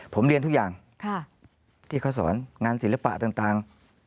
ผมเรียนทุกอย่างที่เขาสอนงานศิลปะต่าง